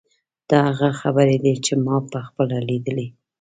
دا هغه خبرې دي چې ما په خپله لیدلې.